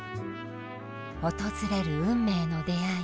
訪れる運命の出会い。